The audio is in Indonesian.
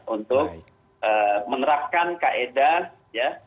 untuk menerapkan kaedah ya